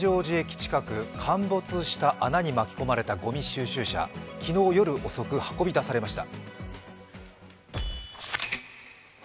近く、陥没した穴に巻き込まれたごみ収集車、昨日夜遅く運び出されました。